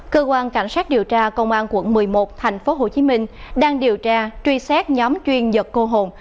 cơ quan cảnh sát điều tra công an quận một mươi một tp hcm đang điều tra truy xét nhóm chuyên giật cô hồn